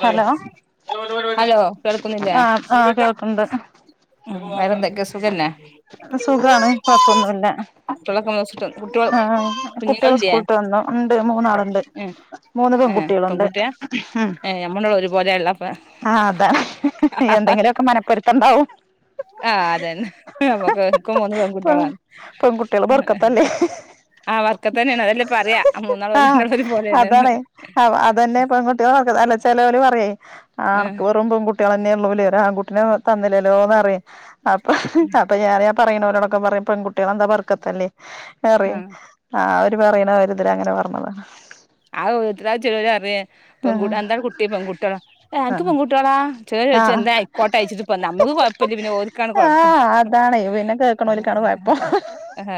Hello hello കേൾക്കുന്നില്ലേ ആഹ് ആഹ് കേൾക്ക്ണ്ട് ഉം വേറെന്തൊക്കെ സുഖല്ലേ സുഖാണ് കൊയ്പ്പൊന്നുല്ല കുട്ടികളൊക്കെ മോശിട്ട് കുട്ടികൾ ആഹ് കുട്ട്യാള് കുഞ്ഞുങ്ങളില്ലേ സ്കൂള് വിട്ട് വന്നു ഉണ്ട് മൂന്നാള്ണ്ട് ഉം മൂന്ന് ഏഹ് പെൺകുട്ടി പെൺകുട്ടിയാ ഏ ഞമ്മൾ രണ്ടാളും ഒരുപോലെ ആയല്ലോ ആ അതാ എന്തെങ്കിലൊക്കെ മനപ്പൊരുത്തം ണ്ടാവും ആ അതന്നെ നമ്മക്ക് ഇൻക്കും മൂന്ന് പെൺകുട്ട്യാളാണ് പെൺകുട്ടികള് ബർക്കത്തല്ലേ ആ വർക്കത്തെന്നാണ് അതെല്ലേ പറയാ മൂന്നാള ഒരു ആഹ് രണ്ടാളും ഒരു പോലെയാണ്ന്ന് അതാണേ അതന്നെ [unintelligible] അല്ല ചേലോല് പറയേ ആ ആഹ് അണക്ക് വെറും പെൺകു ട്ട്ട്യാളെന്നെ ഉള്ളൂലേ ഒര് ആൺകുട്ടിനെ തന്നില്ലല്ലോന്ന്റിയും അപ്പൊ അപ്പൊ ഞാൻ പറയാ പറയണോരൊടൊക്കെ പറയും പെൺകുട്ട്യാളെന്താ ബർക്കത്തല്ലേന്നറിം ആഹ് ആ ഒര് പറയണ കാര്യത്തില് അങ്ങനെ പറഞ്ഞതാ അഹ് വീട്ട് കരാ ചേലോല് പരിം ആഹ് പെൺകുട്ട് എന്താണ് കുട്ടി പെൺകുട്ട്യാളാ ഏഹ് അൻക്ക് ആഹ് പെൺകുട്ട്യാളാ ചേല് ചോയ്ച്ചും ആഹ് എന്താ ആയ്ക്കോട്ടെ അയ്ച്ച്ട്ട് ഇപ്പോന്താ നമ്മക്ക് കൊയ്പ്പല്ല പിന്നെ ഓൽക്കാണ് കൊയപ്പം വ്ക്ക്ണോല്ക്കാണ് കൊയപ്പം. ആഹ്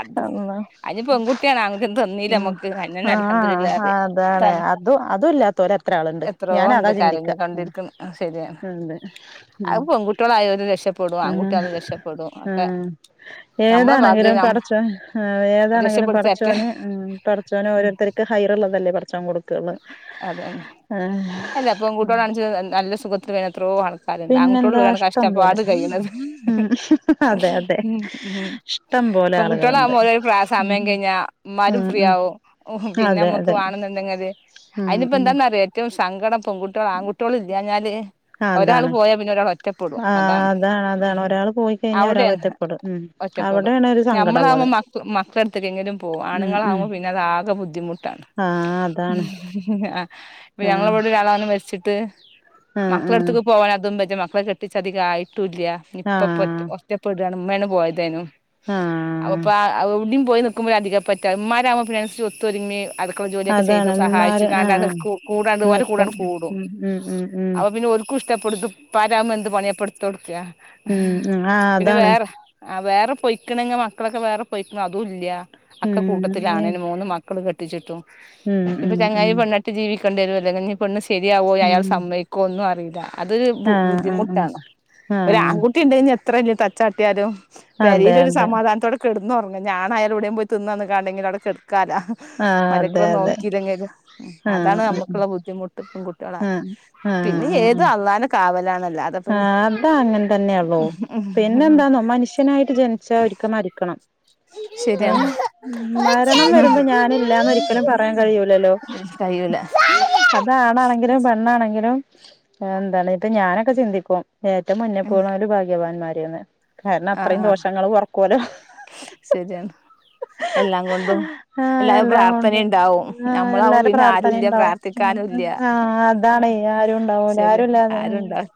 അത് അഹ്ഞ്ഞ് പെങ്കുട്ട്യാണ് ആങ്കുട്ട്യാ ഒന്ന് ഉം തന്നീലമ്മക്ക് അയന്നെ- ഞാന് ആഹ് അൽഹമ്ദുലില്ലാഹ് അതാണ് അതും അതും ഇല്ലാത്തോര് എത്ര ആളുണ്ട് എത്രോ ഞാനതാ ഇണ്ട് ചിന്തിക്ക ഉം കരഞ്ഞുകൊണ്ടിരിക്ക്- അതെ ഉം പെൺകുട്ടികളായോല് രക്ഷപ്പെടും ആഹ് ആൺകുട്ടിയാലും രക്ഷപ്പെടും ആഹ് ഒക്കെ ആഹ് നമ്മളെ ഭാഗ്യം ഏതാണെങ്കിലും നം പടച്ചോൻ ആഹ് ഏതാണെങ്കിലും രക്ഷപ്പെടുത്തട്ടെ പടച്ചോന് ഉംഹ്. പടച്ചോന് ഓരോരുത്തർക്ക് ഹയർള്ളതല്ലേ പടച്ചോം കൊട്- അതാണ് അല്ല പെങ്കുട്ട്യാളാണ്ച്ച് നല്ല സുഖത്തില് കഴിയ്ണ എത്രോ ആള്- അതെ പിന്നെന്താ ആങ്കുട്ട്യോള്ല്ലോലാണ് ഇഷ്ടം പോലെ കഷ്ടപ്പാട് കയ്യ്‌ണത്. ഉം അതെ അതെ ഇഷ്ടം പോലെ ആളുകളുണ്ട് പെങ്കുട്ട്യാളാവുമ്പോ ഓലൊര് പ്രാ സമയം ഉം കഴിഞ്ഞാ ഇമ്മാരും ഉം ഉം ഫ്രീയാകും. [unintelligible] പിന്നെ അതെ അമ്മക്ക്‌ അതെ വാണംന്ന്ണ്ടെങ്കത് ഉം ഉം അയ്ന്പ്പെന്താന്നറിയോ ഏറ്റവും സങ്കടം? പെങ്കുട്യോള് ആങ്കുട്ട്യോള്‌ല്ല്യാഞ്ഞാല്- ഒരാള് അതാണ് പോയാ പിന്നെ ഒരാളൊറ്റപ്പെടും ആഹ് അതാണ് അതാണ് ഒരാള് പോയി കഴിഞ്ഞാൽ ഒരാൾ അവടേ- ഒറ്റപ്പെടും ഉം ഒറ്റപ്പെടും അവിടെയാണ് ഒരു സങ്കടം ഉള്ളത് നഞമ്മളാവുമ്പോ മക്ക മക്കളെട്ത്ത്ക്കേലും പോകും ഉം ഉം ആണ്ങ്ങളാവ്മ്പൊ പിന്നെ അത് ആകെ ബുദ്ധിമുട്ടാണ്. ആഹ് അ ആഹ് ഇപ്പൊ ഞങ്ങളെവ്ടെ ഒരാളങ്ങനെ മരിച്ചിട്ട്- ആഹ് ആഹ് മക്കളെട്ത്ത്ക്ക് പോവാനതും ബെഞ്ചാ മക്കളെ കെട്ടിച്ചധികായിട്ടൂല്ല്യ ഇനിപ്പൊ പ്പൊ പറ്റു ആഹ് കൊ- ഒറ്റപെടാണ് ഇമ്മേണ് പോയതേന്നു. ആഹ് അവ്പ്പാആ എവുടീം പോയി നിക്കുമ്പോ അധിക പറ്റാ ഇമ്മാരാവുമ്പൊ പിന്നെ അയ്നന്സരിച്ച് ഒത്തൊരുമ്മി അടുക്കള്ള ജോലിയൊക്കെ ചെയ്ത് അതാണ് ഇമ്മാര് സഹായിച്ച്ങ്ങാണ്ട്‌ അതൊ ആഹ് കൂ കൂടാണ്ട് നിക്കും ഓരെകൂടണ്ട് കൂടും. ഉം ഉം ഉം ഉം അപ്പൊ പിന്നെ ഓൽക്കും ഇഷ്- ത്തെപ്പെടുത്ത് ഇപ്പാരാവുമ്പൊ എന്ത് പണ്യാപ്പൊ ഇട്ത്തൊട്ക്കാ ഉം ഉം ആഹ് പിന്നെ അതാണ് വേറെ - ആഹ് വേറെ പൊയ്ക്ക്ണെങ്ങെ മക്കളൊക്കെ വേറെ പൊയ്ക്ക്ണൊ അതും ഇല്ല്യ അക്കെ ഉം ഉം കൂട്ടത്തിലാണെനും മൂന്ന് മ- മക്കള് കെട്ടിച്ച്ട്ടു ഇഞ്ഞ്പൊ ഉം ചെങ്ങായി ഉം പെണ്ണെട്ടി ജീവിക്കണ്ടേരോ, അല്ലങ്കെഞ്ഞ് പെണ്ണ് സെര്യാവോ, ഉം അയാള് സമ്മയ്ക്കോ ഒന്നും അറീല. അത് ബു ആഹ് ആഹ് ബുദ്ധിമുട്ടാണ് ആഹ് ആഹ് ഒരാംകു- കുട്ടിണ്ടേന്ന്യെ എത്ര വല്ല്യെ തച്ചാട്ട്യാലും അതെ പെരീലൊര് അതെ സമാധാനത്തോടെ- കെടന്നൊറങ്ങ ഞാനായാലെവടേലും പോയി തിന്ന് വന്ന്ങ്ങാണ്ടെങ്കിലും അവ്ടെ കെട്ക്കാലാ ആഹ് അതെ മര്ക്കള് നോ- അതെ എടങ്ങേറ് ആഹ് അതാണ് ആഹ് നമ്മക്ക്ള്ള ബുദ്ധിമുട്ട് കൂട്ട്യാളായ ആഹ് ആഹ് പിന്നെ ആഹ് ഏത് അള്ളാന- കാവലാണല്ലാ ആഹ് അതാഅങ്ങൻ തന്ന്യാണല്ലോ. പിന്നെന്താന്നോ മനുഷ്യനായിട്ട് ജനിച്ചാ ഒരിക്ക മരിക്കണം. ഏ ശരിയാണ് മരണം വരുമ്പോ ഞാനില്ലാന്ന് ഒരിക്കലും പറയാൻ കയ്യൂലല്ലോ കഴിയൂല അതാണാണെങ്കിലും പെണ്ണാണെങ്കിലും എന്താണ് ഇപ്പ ഞാനൊക്കെ ചിന്തിക്കും ഏറ്റവും മുന്നെപ്പോണോല് ഭാഗ്യവാന്മാര്ന്ന്. കാരണം ആഹ് അത്രയും ആഹ് ദോഷങ്ങള് കൊറക്കോലോ. ശരിയാണ് എല്ലാം കൊണ്ടും ആഹ് എല്ലാവരേം എല്ലാം കൊണ്ടും പ്രാർത്ഥനേണ്ടാവും ആഹ് നമ്മളാവുമ്പൊ എല്ലാരെ പിന്നെ പ്രാർത്ഥന ആരൂല്യ ഉണ്ടാവും പ്രാർ- ഉം ഉം ത്ഥിക്കാനൂല്ല്യ. ആഹ് അതാണേ ആരും ഉണ്ടാവൂല ശരിയ ആരും ഇല്ലാതെ ഉം ആരൂണ്ടാ-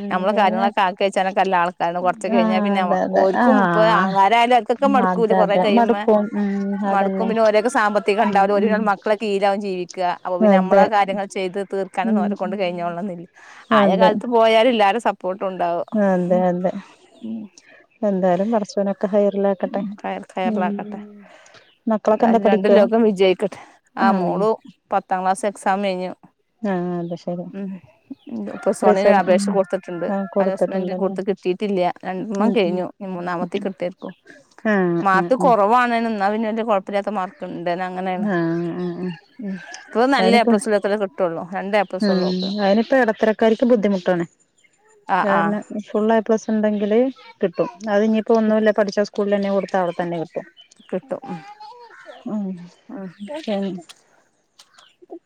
ഉം നമ്മളെ പിന്നെ കാര്യങ്ങളൊക്കെ ആക്കി വെച്ചാനൊക്കല്ല ആൾക്കാരങ്ങട്ട് കൊറ ത്കഴിഞ്ഞാ ആഹ് പിന്നെ അതെ അതെ ഓര്ക്കും ഇപ്പൊ ആഹ് ആങ്ങ്ളാരായാലും അവര്ക്കൊക്കെ മട്ക്കൂലെ അതെ കൊറെ അതെ കഴിയുമ്മ മടുക്കും ഉം മടുക്കും. അതന്നെ പിന്നെ ഓരേക്കെ ഉം സാമ്പത്തികണ്ടാവൂല, ഓര് ഉം മക്കളെ കീയിലാവും ജീവിക്കാഹ്. അപ്പൊ പിന്നമ്മള അതെ കാര്യങ്ങള് ചെയ്ത് തീർക്കാനൊന്നും ഉം ഓരെകൊണ്ട് ഉം കഴിഞ്ഞോളണംന്നില്ല. ആയ കാലത്ത് പോയാലും ഇല്ലാര സപ്പോർട്ടും ഇണ്ടാവും. ആഹ് അതെ അതെ എന്തായാലും പടച്ചോനൊക്കെ ഹൈറലാ- കയർ കയറലാക്കട്ടെ. മക്കളൊക്കെ എന്താ ഏതായാലും രണ്ട് പഠിക്കുവാ ലോകം വിജയിക്കട്ടെ. ആ ആമീൻ മോളു പത്താം ക്ലാസ് എക്സാമെയിഞ്ഞു. ആ അത് ശരി ഉം. ഇപ്പൊ പ്ലസ് വണ്ണിന് റിസൽ ആ അപേക്ഷ കൊട്ത്ത്ട്ട്ണ്ട് ആ അലോസ്മെന്റ് കൊടുത്തിട്ടുണ്ടല്ലേ കൊട്ത്ത് കിട്ടീ- ട്ടീട്ടില്ല്യ. രണ്ടണ്ണം ഉം ഉം കയിഞ്ഞു മൂന്നാമത്തി കിട്ടേര്ക്കും. ആ ആ മാർക്ക് കൊറ- റവാണേനും ഇന്നാ പിന്നെ വല്ല്യെ കൊയ പ്പല്ല്യാത്ത മാർക്ക് ഇണ്ട് ന്നഅങ്ങനെണ്. ആ ആ ആ ഉം ഇപ്പതൊന്നും അല്ല പ്ലസ്ടൂലെത്തീട്ടെ കിട്ടൊള്ളൂ. ഉം അയിനിപ്പ എടത്തരക്കാര്ക്ക് ബുദ്ധിമുട്ടാണ് ആഹ് ആഹ് കാരണം ഫുള്ളേ പ്ലസ് ഇണ്ടെങ്കില് കിട്ടും അത് ഇഞ്ഞ്‌പ്പൊ ഒന്നൂല്ല പഠിച്ച സ്കൂളന്നെ കൊടുത്ത അവടെ തന്നെ കിട്ടും. കിട്ടും ഉം ഉം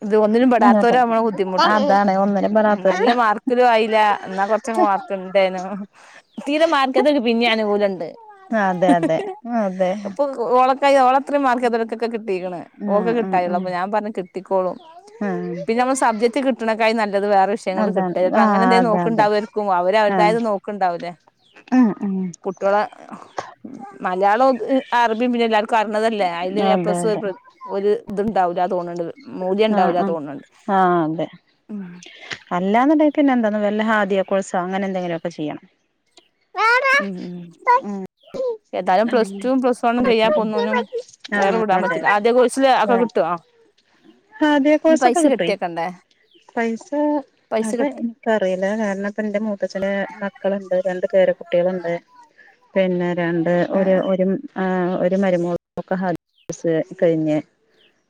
ഇത് ഒന്നിനും പെടാത്തവര അതെ ആവുമ്പഴ ബുദ്ധിമുട്ട് അതാണ് ഒന്നിനും നല്ല പെടാത്തവര് മാർക്ക് ഒലുംയില്ല എന്നാ കുറച്ചങ്ങ് ർക്കണ്ടേനു തീരെ മാർക്കത പിന്നെ അനുകൂലംണ്ട് ആഹ് അതെ അതെ അതെ ഓള്ക്ക ഓളത്ര മാർക്ക് അതെക്കെ കിട്ടീക്കണ് ഓക്കെ ആഹ് ആഹ് കിട്ടായിള്ള അപ്പ ഞാൻ പറഞ്ഞു കിട്ടിക്കോളും ആഹ് ആഹ് പിന്നെ നമ്മൾ സബ്ജക്ട് കി കട്ടണക്കായി നല്ലത് വേറെ വിഷയങ്ങ കട്ട നല്ലത് അതാണ് വേറെ വിഷയങ്ങൾ അപ്പ ആഹ് അങ്ങനെന്തങ്കും അതെ അതെ നോക്കണ്ടാവുംർരിക്കും ആഹ് അവരുതായത് നോക്കുണ്ടാവില്ലേ ആഹ് അഹ് ഇള മലയാളം അറബി പിന്നെ എല്ലാർക്കും അറഞ്ഞതല്ലേ അതില് എ അതെ പ്ലസ് അതെ ഒരു ഇത്ണ്ടാവില്ല തോന്നുന്നുണ്ട് മൂല്യം ആഹ് ഉണ്ടാവില്ല തോന്നുന്നുണ്ട് ആഹ് അതെ അല്ലന്നുണ്ടേ പിന്നെന്താ വല്ലഹാദിയ കോഴ്സ അങ്ങനെ എന്തെങ്കിലുക്കെ ചെയ്യണം ആഹ് ഉം എന്തലും പ്ലസ് ടു പ്ലസ് വണ്ണും കഴിയാതെ ഒന്നിനും വേറെ വിടാൻ അതെ പറ്റില്ല ആദ്യ കോഴസില് ഒക്കെ കിട്ടുവോ ആഹ് അതേ അതിന് കോഴ്സ്സ് പൈസ ഒക്കെ കിട്ടുവെയ് കെട്ടിയേക്കണ്ടേ പൈസ പൈസ അത് കെട്ടി അറിയില്ല കാരണം ഇപ്പ എന്റെ മൂത്തച്ഛന് മക്കളുണ്ട് രണ്ട് പേര കുട്ടികളുണ്ട് പിന്നെ രണ്ട് ഒരു ആഹ് ഒരും ആഹ് ഒരു മരുമോൾക്ക് കഴിഞ്ഞ്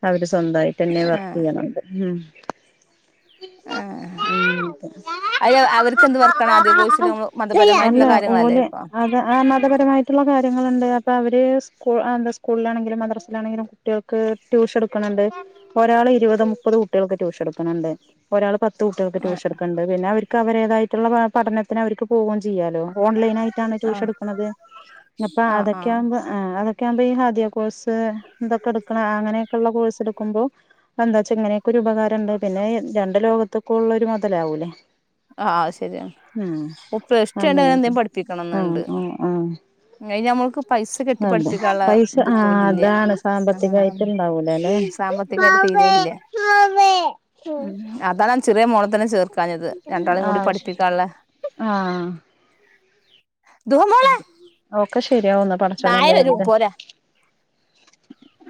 അവര് സ്വന്തവായി തന്നെ വർക്ക് ആഹ് ചെയ്യാനുണ്ട് ഉം ആഹ് അഹ് അവർകെന്ത് വർതനകോഴ്സിൽ മതപരമായിട്ടുള്ള കാര്യങ്ങളല്ലേ ആക്കോ ആഹ് മതപരമായിട്ടുള്ള കാര്യങ്ങളുണ്ട് അപ്പൊ അവര് സ് എന്ത സ്കൂളിലാണെങ്കിലും മദ്രസയിലാണെങ്കിലും കുട്ടികക്ക് ട്യൂഷൻ എടക്കണ്‌ണ്ട് ഒരാൾ ഇരുപത് മുപ്പത് കുട്ടികൾക്ക് ട്യൂഷൻ എടുക്കുന്നുണ്ട് ഒരാൾ പത്ത് കുട്ടികൾക്ക് ആഹ് ട്യൂഷൻ എടു ണ്ട് പിന്നെ അവർക്ക് അവരതായിട്ടുള്ള പഠനത്തിന് അവർക്ക് പോവുകയും ചെയ്യാലോ ഓൺലൈൻ ആയിട്ട് ആണ് ട്യൂഷൻ ആഹ് എടുക്കണന്നത് അപ്പ ആഹ് ആഹ് അതൊക്കെയാവുമ്പ ആഹ് അതൊക്കെ ആകുമ്പോ ഈ ഹാദിയ കോഴ്സ് അതൊക്കെ എടുക്കണ അങ്ങനെയൊകെ യുള്ള കോഴ്സ് എടുക്കുമ്പോ എന്താ വച്ചാ ഇങ്ങനെയൊക്കെ ഒരു ഉ പകാരമുണ്ട് പിന്നെ രണ്ട് ലോകത്തൊക്കെ ഉള്ള ഒരു മുതലാവുല്ലേ ആഹ് അത് ശരിയാണ് ആഹ് പ്ലസ് ടു കഴിഞ്ഞാ അങ്ങനകെ എന്തേലും ആഹ് പഠിപ്പിക്കണംന്നുണ്ട് ആഹ് ആഹ് അയ്ന് നമ്മൾക്ക് പൈസ കെട്ടി അതെ പഠിപ്പിക്കാനുള്ള പൈസ ഇതിപ്പോ ആഹ് ഇല്ല അതാണ് ആഹ് സാമ്പത്തികായിട്ട് അങ്ങനല്ലേ സാമ്പത്തികായിട്ട് തീരെ ഇല്ല ഉം അതാണ് ചെറിയ മോള തന്നെ ചേർക്കാഞ്ഞത് രണ്ടാളും കൂടി ആഹ് പഠിപ്പിക്കാനുള്ള ആഹ് ധോം ഓക്കെ ശെരിയാവുന്ന് നായ പടച്ചോനല്ലേ വരും വലുത് പോരാ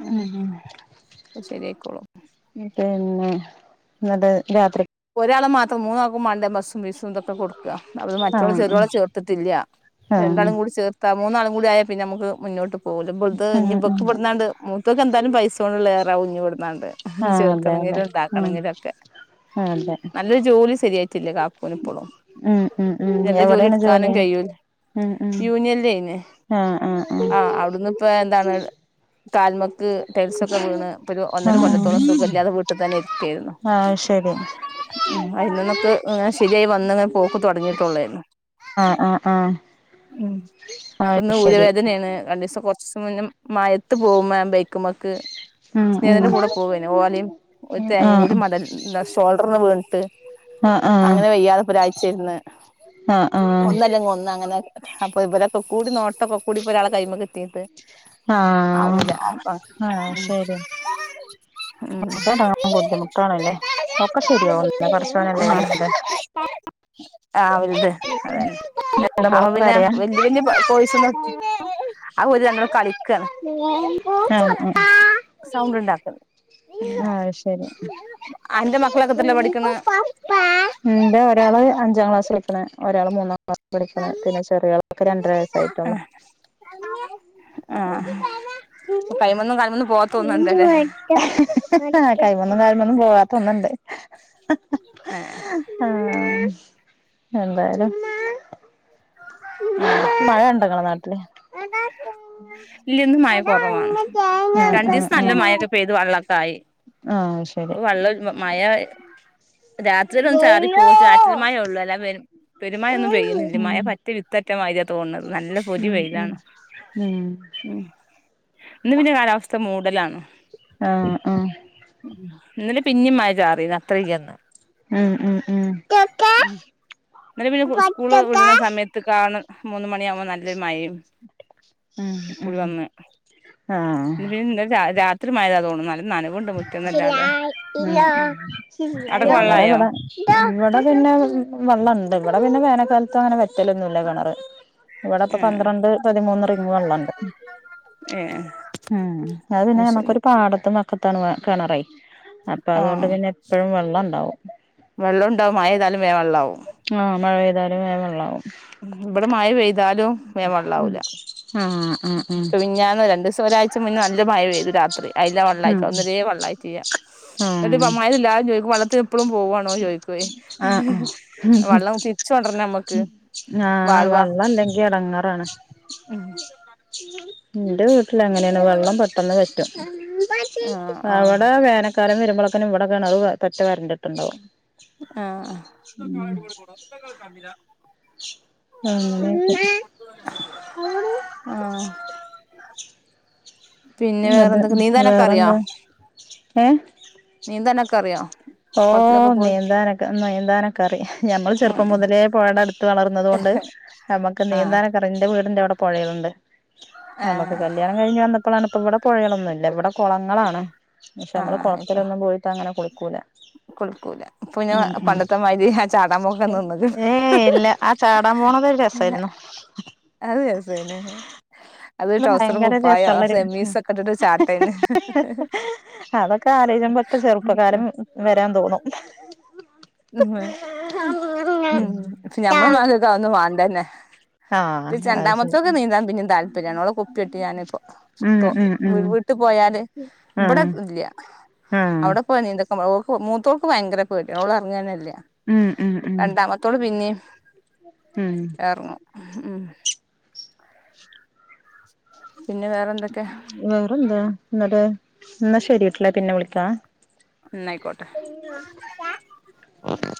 ഉം ഉം അപ്പോ ശരിയായിക്കോളും പിന്നെ ഇന്നലെ രാത്രി ഒരാളെ മാത്രം മൂന്നാക്കും വേണ്ടേ ബസ് ഫീസുംഅതൊക്കെ കൊടുക്ക അത് മറ്റുള്ള ആഹ് ചെറിയോളെ ആഹ് ചേർത്തിട്ടില്ല്യ രണ്ടാളും ആഹ് കൂടി ചേർ മൂന്നാളും കൂടി ആയാ പിന്നെ നമക്ക് മുന്നോട്ട് പോകില്ലുത് ഉം ഇനിപ്പം ഉം ഇവക്ക് ഇവ്ട്ന്നായൊണ്ട് ഇവക്ക്ക്കെന്തായാലും പൈസ കൊണ്ടുള്ള ഉഞ്ഞ് വിടുന്നാണ്ട് ആ ചേർക്കണമവെങ്കിലും ഉണ്ടാക്കണെങ്കിലും ഒക്കെ ആഹ് അതെ നല്ലൊരു ജോലി ശരിയായിട്ടില്ലേ കാക്കൂവിന് ഇപ്പോളും ഉം ഉം ഉം നല്ല ജോലി എവിടെയാണ് എടുക്കാനും കഴിയൂല്ല ഉം ഉം യൂനിയൻ ലൈന് ആ ആ ആ ആഹ് അവിടുന്ന് ഇപ്പൊ എന്താണ് താൽമക്ക് ടൈൽസൊക്കെ വീണ് ഇപ്പ ഒരു ആ ഒന്നര കൊല്ലത്തോളം സുഖം ഇല്ലാതെ വീണ് ഇപ്പ തന്നെ ഇരിക്കയായിരുന്നു ആഹ് ശേരി ഉം അയിന്നന്നൊക്ക് ഇങ്ങനെ ശരിയായി വന്ന് ഇങ്ങനെ പോക്ക് തുടങ്ങിട്ടുള്ളായിരുന്നു ആഹ് ആഹ് ആഹ് ഉം ഇപ്പൊന്ന് ഉരവേദനയാണ് രണ്ട് ദിവസം കൊറച്ച് മം മഴയത്ത് പോകുമ്പോ ഇ മക്ക് ഉം ഉം സ്നേഹത്തിന്റെ കൂടെ പോവാന് ഓലെയും ആ ആ തേങ്ങയും കൂടി മടൽ ഷോൾഡറിന്ന് വീണിട്ട് ആ അങ്ങനെ വെയ്യാതെ ഒരാഴ്ചയിരുന്ന് ആ ഒന്നല്ലെങ്കിൽ ഒന്ന് അങ്ങനെ അപ്പൊ പോലെ കൊക്ക കൂടി നോട്ടൊക്ക കൂടി ഈ ഒരാെ കൈമ കെത്തിയിട്ട് ആഹ് ആഹ് ശരി ട്ടൻ ബുദ്ധിമുട്ടാണല്ലേ ഒക്കെ ശെരിയാവും പടച്ചോനല്ലേ ആഹ് വെൽത് ആഹ് വലുത് അതെ എന്റെ അപ്പ മോള് പിന്നെ കരയാ വല വലിയ പോഴസ് ആഹ് സൗണ്ട് ഉണ്ടാക്കുന്നു [unintelligible] ആഹ് ശരി അന്റെ മക്കളൊക്കെ എത്രയിലാ പഠിക്കണെ ഇൻ്റ ഒരാള് അഞ്ചാം ക്ലാസ് എളക്കണ ഒരാ മൂന്നാം പഠിക്ക പിന്നെ ചെറിയളൊക്കെ രണ്ടര വയസായിട്ടള്ളു ആഹ് ആഹ് കൈമന്നും ക ആഹ് കഴ്മന്നും നാലമൊന്നും പോവാത്ത ഒന്നണ്ട് ഏഹ് ആഹ് എന്തായാലും ഉം. മഴണ്ടങ്ങളെ നാട്ടില്? ല്ലന്ന് മഴ കുറവാ ഉം രണ്ടിസം നല്ല ഉം ഉം മഴൊക്കെ പെയ് ത് വെള്ളക്കആയി ആ ശരി പ്പൊ വെള്ളം മഴ രാത്രിഒ ഉം ചാറി പോകും ചാറ്റൽമായയേ ള്ളൂ എല്ലാ വരും പെരുമയൊന്നും പെയ്യുന്നില്ല. ഉം മഴപറ്റ വിത്തറ്റമായിതിരിയാണ് തോന്നണത് നല്ല പൊരി ഉം വെയിലാണ്. ഉം. ന്ന് പിന്നെ കാലാവസ്ഥ മൂടലാണോ. ആഹ ആഹ. ന്നലെ പിന്നും മായ ചാറിയന്ന് അത്രയ്യ്ന്ന് ഉം അ അഹ് ക്ക ക്ക ന്നല്ല പിന്നെ സ്കൂള് വിടണ സമയത്ത കാണ്. മൂന്ന മണിയാകുമ്പോൾ നല്ലൊരു മയും. ഉം ഉം വന്ന ആഹ് [unintelligible] ന്ന രാ ഇപ്പം മായതാതോന്നണ് നല്ല നനവുണ്ട് മുറ്റ് ലാ ഇല ഇല്ല അവ്ടൊക്കെ ഇന്നലെ വെള്ളായോ വടെ, വടെ പിന്നെ വെള്ളംണ്ട് ഇവിടെ പിന്നെ വേനൽക്കാലത്ത് അങ്ങനെ വെറ്റലൊന്നുംല്ല കിണർ. ഇവിടെ പ്പ ഏഹ് പന്ത്രണ്ട് പതിമൂന്ന് റിംഗ് വെള്ളണ്ട്. ഏഹ് ഉം. അത് പിന്നെ നമക്കൊരു പാടത്തും വ പട് താണ് കിണറയ് അപ്പൊ അതുകൊണ്ട് പിന്നെ പ്പഴും വെള്ളം ഉണ്ടാവും. വെള്ളണ്ടാവും മഴതാലും വേം വെള്ളമാവും ആഹ് മഴ പെയ്താലും വേ വെള്ളമാവും. വടെ മഴ പെയ്താലും വേമവള്ളാവൂല. ഉം ഉം ഉം ഇപ്പ പിന ഞ്ഞാന്ന് രണ്ട് ദിവസം ഒരാഴ്ച്ച മുന്നേ നല്ല മഴപെയ്തു രാത്രി. അതില വെള്ളായി ആഹ് ഇപ്പൊ. അതരേ വള്ളായിമായി്ട്ടിയ്യാ [unintelligible] തില്ലാരും ചോദിക്കും വളത്ത് എപ്പളും പോവാണോ ചോദിക്കോ ആഹ് ആഹ് ആഹ് വെള്ളം തിരിച്ചോണ്ടരണേ മ്മക്ക്. ആഹ് വെള്ളം ല്ലെങ്കി ഇടങ്ങാറാണ്. ഉം. ന്റെ വീട്ടിലങ്ങനെയാണ് വെള്ളം പെട്ടെന്ന് വറ്റും ആഹ് അവടെ ആഹ് വേനക്കാലം ഇരുമ്പളക്കനും ഇവിടെ ക്കെണർ പറ്റവാരണ്ടിട്ടുണ്ടാവും. ആഹ്. ആ അങ്ങനോക്കെ, ആഹ്. പിന്നെ അതെ വേറെന്തൊക്ക നീന്താനൊക്കെ അറിയോ? വേറെന്താ ഏഹ്? നീന്താൻ ഒക്കെ അറിയോ? ഓ കുളത്തിലൊക്കെ പോയി നീന്താനൊക്കെ നീന്താനൊക്കെ അറിയ ന്നമ്മൾ ചെറുപ്പം ആഹ് മുതലേ പുഴയുടെ അടുത്ത് വളർന്നത് കൊണ്ട് നമ്മുക്ക് ആഹ് നീന്താനൊക്കറിയ. ന്റെ വീടിന്റെ അവിടെ പുഴയണ്ട് നമുക്ക് ആഹ് കല്യാണ കഴഞ്ഞ് വന്നപ്പോളാണ് ഇവിടെ പുഴകളൊന്നും ഇല്ല ഇവിടെ കുളങ്ങളാണ് പക്ഷെ നമ്മള് ആഹ് ഇപ്പൊ കുളത്തിലൊന്നും പോയി അങ്ങനെ കുളിക്കൂല. കുളിക്കൂല പ്പൊ ഞാ ഉം ഉം പണ്ടത്തെമാതരി ആ ചാടമ്പോക്കൊക്കെ നിന്ന്ക് ഏയ് ഇല്ല ആ ചാടാപോണത് ഒരു രസായിര്ന്നു. അത് രസേനി. അത് ട്രൗസറും ഭയങ്കര കുപ്പായോ, രസള്ളൊരു സെമീസ് ഉം ഒക്കെ ഇട്ടിട്ട് ഒരു ചാട്ടെയിന്. അതൊക്കെ ആലോയ്കബ പ്പ ചെറുപ്പക്കാലം വരാൻ തോന്നും. ഉ ഉം പഷേ ഞമ്മള മാക്കക്ക അഒന്ന വാണ്ടന്നെ. ഇത് ആഹ് അത് ശരി രണ്ടാമത്തൊക്ക് നീന്താൻ പിന്നും താല്പര്യമാണ് അവ ഓളെ കുപ്പി ഇട്ട് ഞാനി ഉം ഇപ്പൊ ഉം ഉം വീട്ടിപോയാല് ഇവിടെ ആഹ് ഒന്നുല്ല്യ. ആഹ് അവിടെ പോയി നീന്ത. ഔ ഓക്ക് മൂത്തോക്ക് ഭയങ്കര പേടിയാ ഓൾ അറങ്ങെന്നെല്ല്യ ഉം ഉം ഉം രണ്ടാമത്തോള് പിന്നീം ഉം ഉം പിന്നെ വേറെ എന്തൊക്കെ വേറെന്താ എന്നിട്ട് എന്നാ ശരിയട്ട ഞാൻ പിന്നെ വിളിക്കാം ന്നാ അയ്ക്കോട്ടെ [inaudible]